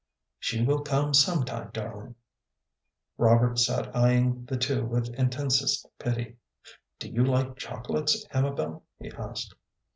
"She will come some time, darling." Robert sat eying the two with intensest pity. "Do you like chocolates, Amabel?" he asked.